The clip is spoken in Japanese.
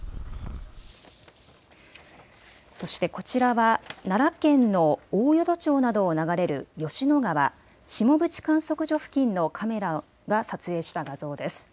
そしてこちらは奈良県の大淀町などを流れる吉野川、下渕観測所付近のカメラが撮影した画像です。